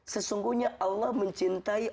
sesungguhnya allah mencintai